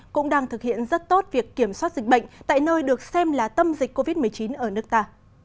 cũng đang thực hiện rất tốt việc kiểm soát dịch bệnh tại nơi được xem là tâm dịch covid một mươi chín ở nước ta